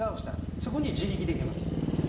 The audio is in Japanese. そこに自力で行きます。